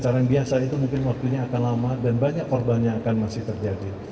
karena biasa itu mungkin waktunya akan lama dan banyak korbannya akan masih terjadi